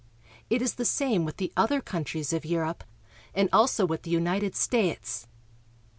It is the same with the other countries of Europe, and also with the United States.